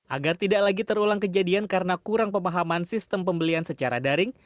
agar tidak lagi terulang kejadian karena kurang pemahaman sistem pembelian secara daring